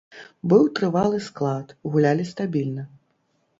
Быў трывалы склад, гулялі стабільна.